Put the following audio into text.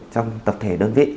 trong tập thể đơn vị